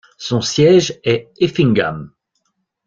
Son siège est Effingham.